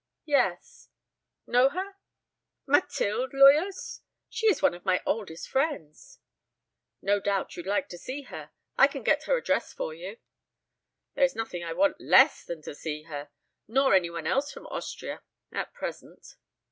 "Yes know her?" "Mathilde Loyos? She is one of my oldest friends." "No doubt you'd like to see her. I can get her address for you." "There is nothing I want less than to see her. Nor any one else from Austria at present."